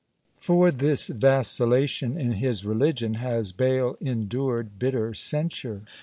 For this vacillation in his religion has Bayle endured bitter censure.